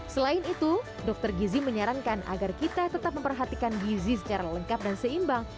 selain itu dokter gizi menyarankan agar kita tetap memperhatikan gizi secara lengkap dan seimbang